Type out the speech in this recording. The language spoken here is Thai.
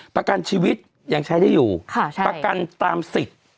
ประกันชีวิตยังใช้ได้อยู่ประกันตามสิทธิ์